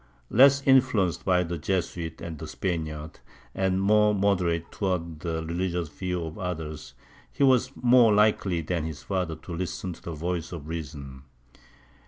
Less influenced by the Jesuits and the Spaniards, and more moderate towards the religious views of others, he was more likely than his father to listen to the voice of reason.